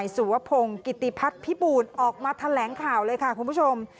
สุวพงศ์กิติพัฒน์พิบูรณ์ออกมาแถลงข่าวเลยค่ะคุณผู้ชม